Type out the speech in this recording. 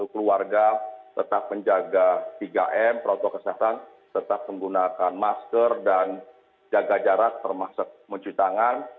keluarga tetap menjaga tiga m protokol kesehatan tetap menggunakan masker dan jaga jarak termasuk mencuci tangan